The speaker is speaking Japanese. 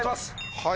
はい。